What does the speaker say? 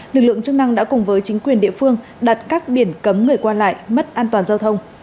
lực lượng chức năng đã cùng với chính quyền địa phương đặt các biển cấm người qua lại mất an toàn giao thông